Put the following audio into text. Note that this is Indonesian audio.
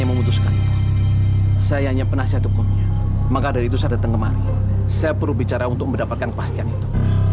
mama sedang mengusahakan ginjal anak untuk kamu